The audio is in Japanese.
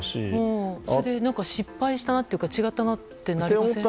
それで失敗したというか違ったなってなりません？